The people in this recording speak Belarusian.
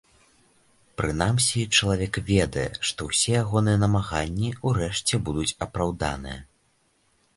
Прынамсі, чалавек ведае, што ўсе ягоныя намаганні ўрэшце будуць апраўданыя.